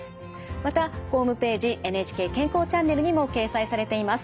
またホームページ「ＮＨＫ健康チャンネル」にも掲載されています。